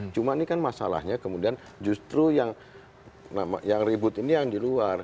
cuma ini kan masalahnya kemudian justru yang ribut ini yang di luar